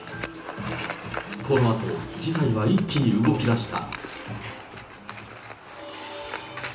このあと、事態は一気に動きだした。